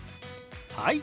はい！